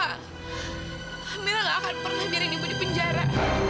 amira gak akan pernah biarin ibu dipenjara